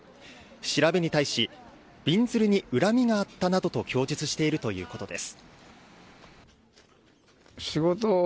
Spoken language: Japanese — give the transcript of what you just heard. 調べに対しびんずるに恨みがあったなどと供述しているということです。